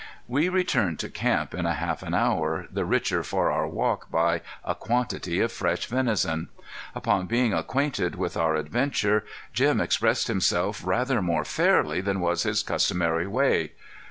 We returned to camp in a half an hour, the richer for our walk by a quantity of fresh venison. Upon being acquainted with our adventure, Jim expressed himself rather more fairly than was his customary way.